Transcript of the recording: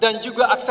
dan juga akseptasi